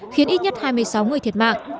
khiến ít nhất hai mươi sáu người thiệt mạng